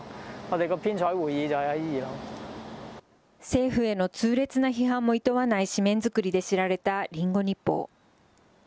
政府への痛烈な批判もいとわない紙面作りで知られたリンゴ日報。